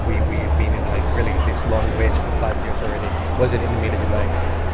คุณพบว่าอะไรนะว่าเราได้นานเท่านั้น๕ปีแล้วและว่าเราได้นานกับดิบัย